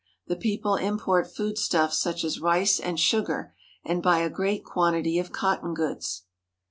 The people import foodstuffs such as rice and sugar, and buy a great quantity of cotton goods.